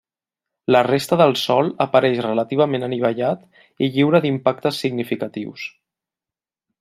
La resta del sòl apareix relativament anivellat i lliure d'impactes significatius.